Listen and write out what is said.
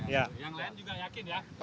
yang lain juga yakin ya